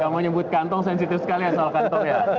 gak mau nyebut kantong sensitif sekali asal kantong ya